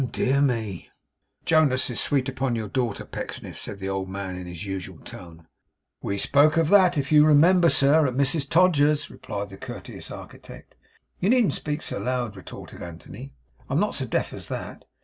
Ahem! Dear me!' 'Jonas is sweet upon your daughter, Pecksniff,' said the old man, in his usual tone. 'We spoke of that, if you remember, sir, at Mrs Todgers's,' replied the courteous architect. 'You needn't speak so loud,' retorted Anthony. 'I'm not so deaf as that.